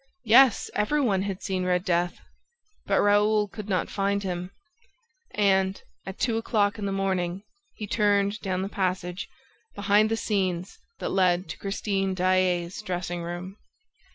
Yes, every one had seen Red Death; but Raoul could not find him; and, at two o'clock in the morning, he turned down the passage, behind the scenes, that led to Christine Daae's dressing room.